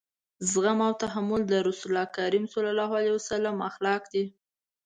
زغم او تحمل د رسول کريم صلی الله علیه وسلم اخلاق دي.